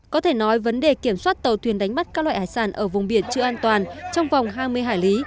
có thể nói vấn đề kiểm soát tàu thuyền đánh bắt các loại hải sản ở vùng biển chưa an toàn trong vòng hai mươi hải lý